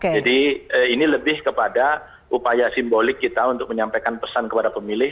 jadi ini lebih kepada upaya simbolik kita untuk menyampaikan pesan kepada pemilih